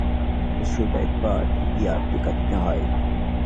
তার পরও বছরে তিনবার কৃমির ওষুধ, একবার পিপিআর টিকা দিতে হয়।